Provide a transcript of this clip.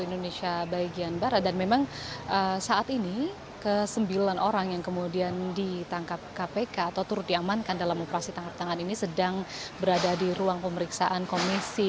dan memang saat ini ke sembilan orang yang kemudian ditangkap kpk atau turut diamankan dalam operasi tangkap tangan ini sedang berada di ruang pemeriksaan komisi